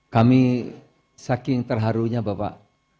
kami saking terharunya bapak